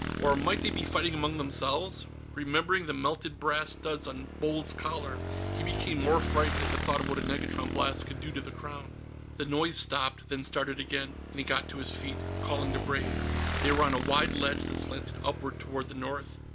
Or might they be fighting among themselves? Remembering the melted brass studs on Bold's collar, he became more frightened at the thought of what a negatron blast could do to the Crown. The noise stopped, then started again, and he got to his feet, calling to Brave. They were on a wide ledge that slanted upward toward the north.